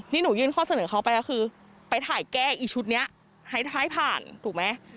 นี่หนูยื่นข้อเสนอเขาไปก็คือไปถ่ายแก้อีชุดนี้ให้ผ่านถูกไหม